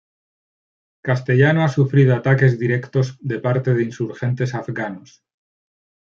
Castellano ha sufrido ataques directos de parte de insurgentes afganos.